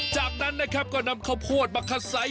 จากนั้นนะครับก็นำข้าวโพดมาคัดไซส์